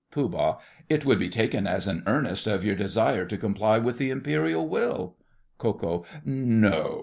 POOH. It would be taken as an earnest of your desire to comply with the Imperial will. KO. No.